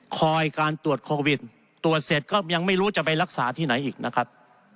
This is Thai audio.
คอยการตรวจโควิดตรวจเสร็จก็ยังไม่รู้จะไปรักษาที่ไหนอีกนะครับ